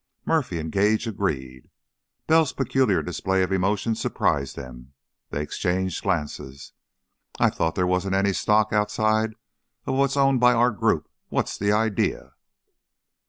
Murphy and Gage agreed. Bell's peculiar display of emotion surprised them; they exchanged glances. "I thought there wasn't any stock outside of what's owned by our group. What's the idea?"